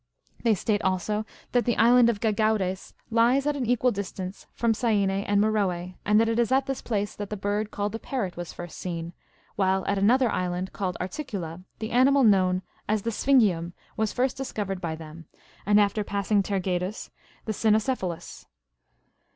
They state also that the island of G agaudes lies at an equal distance from Syene and Meroe, and that it is at this place that the bird called the parrot was first seen ; while at another island called Articula, the animal known as the sphingium^" was first discovered by them, and after passing Tergedus, the cynocephalus.